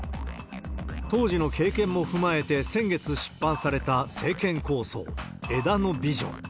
当時の経験も踏まえて先月出版された政権構想、枝野ビジョン。